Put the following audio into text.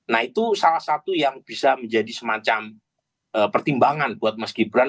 nah itu salah satu yang bisa menjadi semacam pertimbangan buat mas gibran